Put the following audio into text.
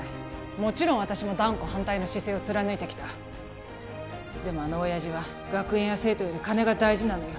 もちろん私も断固反対の姿勢を貫いてきたでもあの親父は学園や生徒より金が大事なのよ